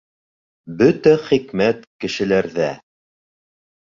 Бөтә хикмәт — кешеләрҙә...